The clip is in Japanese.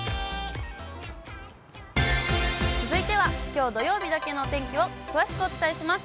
続いては、きょう土曜日だけのお天気を詳しくお伝えします。